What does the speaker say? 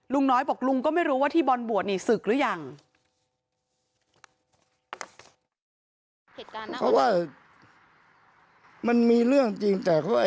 ลุงน้อยบอกลุงก็ไม่รู้ว่าที่บอลบวชนี่ศึกหรือยัง